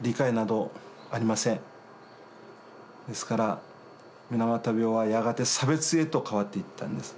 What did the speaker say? ですから水俣病はやがて差別へと変わっていったんです。